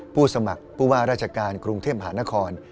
สมัครผู้ว่าราชการกรุงเทพหานคร